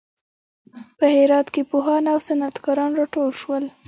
په هرات کې پوهان او صنعت کاران راټول شول.